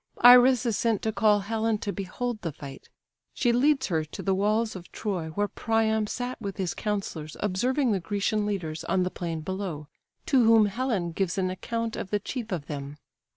Iris is sent to call Helen to behold the fight. She leads her to the walls of Troy, where Priam sat with his counsellers observing the Grecian leaders on the plain below, to whom Helen gives an account of the chief of them.